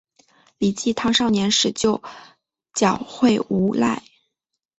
李继韬少年时就狡狯无赖。